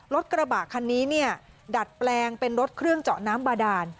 รถกระบะคันนี้เนี่ยดัดแปลงเป็นรถเครื่องเจาะน้ำบาดาน